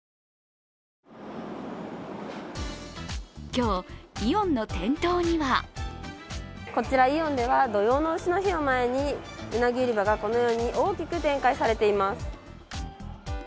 今日、イオンの店頭にはこちらイオンでは土用のうしの日を前にうなぎ売り場が、このように大きく展開されています。